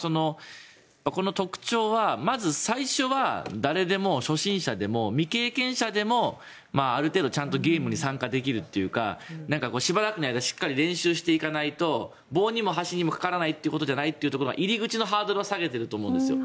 この特徴はまず最初は誰でも初心者でも未経験者でも、ある程度ちゃんとゲームに参加できるというかしばらくの間しっかり練習していかないと棒にも箸にもかからないということじゃないというのが入り口のハードルは下げていると思うんですよ。